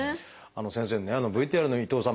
先生ねＶＴＲの伊藤さん